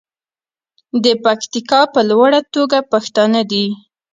د پکتیکا په لوړه توګه پښتانه دي.